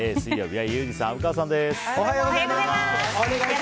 水曜日はユージさん、虻川さんです。